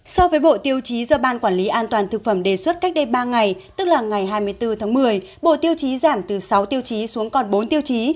so với bộ tiêu chí do ban quản lý an toàn thực phẩm đề xuất cách đây ba ngày tức là ngày hai mươi bốn tháng một mươi bộ tiêu chí giảm từ sáu tiêu chí xuống còn bốn tiêu chí